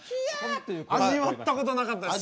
味わったことなかったです。